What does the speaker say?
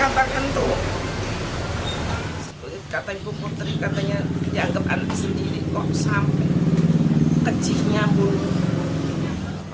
sampai kecihnya bunuh